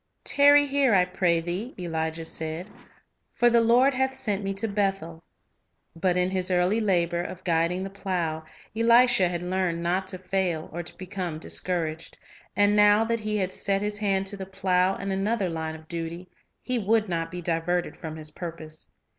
"Tarry here, I pray thee," Elijah said; "for the Lord hath sent me to Bethel." T ^t But in his early labor of guiding the plow, Elisha had learned not to fail or to become discouraged; and now that he had set his hand to the plow in another line of duty, he would not be diverted from his purpose.